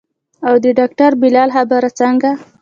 او د ډاکتر بلال خبره څنګه.